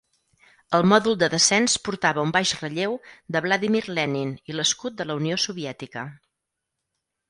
El mòdul de descens portava un baix relleu de Vladimir Lenin i l'escut de la Unió Soviètica.